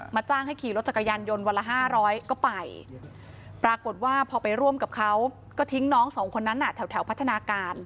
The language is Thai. จ้างให้ขี่รถจักรยานยนต์วันละ๕๐๐ก็ไปปรากฏว่าพอไปร่วมกับเขาก็ทิ้งน้องสองคนนั้นแถวพัฒนาการ